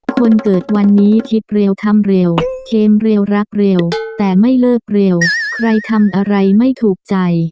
คนเกิดวันนี้คิดเร็วทำเร็วเกมเร็วรักเร็วแต่ไม่เลิกเร็วใครทำอะไรไม่ถูกใจ